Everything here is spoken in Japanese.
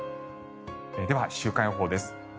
では、週間予報です。